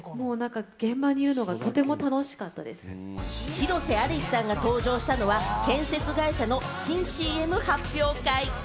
広瀬アリスさんが登場したのは、建設会社の新ＣＭ発表会。